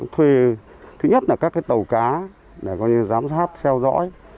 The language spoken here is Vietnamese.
thuê thứ nhất là các tàu cá để giám sát theo dõi